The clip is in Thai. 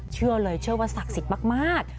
เชื่อเลยเชื่อว่าศักดิ์สิทธิ์มาก